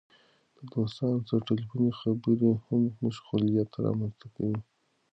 د دوستانو سره ټیلیفوني خبرې هم مشغولتیا رامنځته کوي.